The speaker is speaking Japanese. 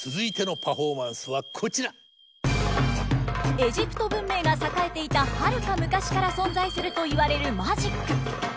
エジプト文明が栄えていたはるか昔から存在するといわれるマジック。